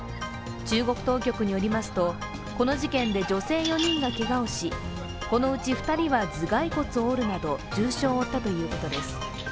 中国当局によりますと、この事件で女性４人がけがをし、このうち２人は頭蓋骨を折るなど重傷を負ったということです。